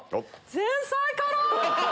前菜から。